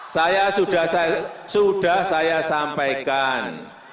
saya sudah saya sampaikan